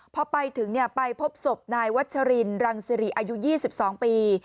พอไปถึงเนี่ยไปพบศพนายวัชรินรังสิริอายุยี่สิบสองปี